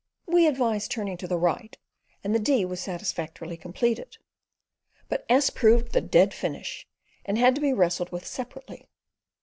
We advised turning to the right, and the D was satisfactorily completed, but S proved the "dead finish," and had to be wrestled with separately.